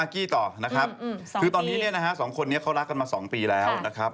ทีนี้สองคนนี้เขารักกันมาสองปีแล้วนะครับ